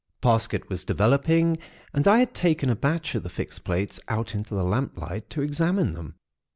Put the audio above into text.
Parsket was developing, and I had taken a batch of the fixed plates out into the lamplight to examine them.